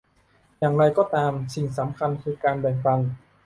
อย่างไรก็ตาม สิ่งสำคัญคือการแบ่งปัน